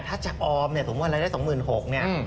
ถ้าจะออมเนี่ยสมมุติรายได้๒๖๐๐เนี่ย